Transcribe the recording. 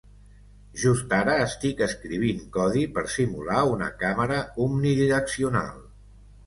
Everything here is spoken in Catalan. Just ara estic escrivint codi per simular una càmera omnidireccional.